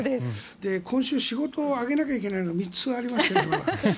今週仕事を上げなきゃいけないのが３つありまして。